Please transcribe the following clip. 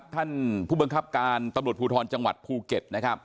ท่านผู้บังคับการตำรวจภูทรจังหวัดภูเก็ตนะครับ